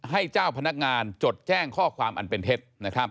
ให้เจ้าพนักงานจดแจ้งข้อความอันเป็นเท็จ